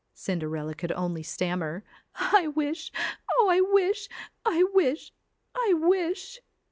Cinderella could only stammer 'I wish Oh, I wish ... I wish ... I wish